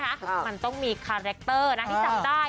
คาร์แรคเตอร์นะที่ที่ทรัพย์ได้